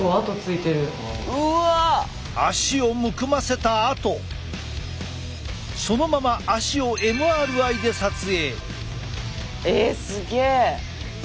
足をむくませたあとそのまま足をえすげえ！